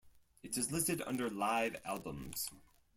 It is listed under Live albums.